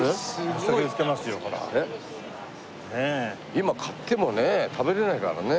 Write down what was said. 今買ってもね食べれないからね。